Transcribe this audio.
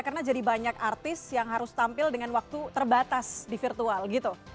karena jadi banyak artis yang harus tampil dengan waktu terbatas di virtual gitu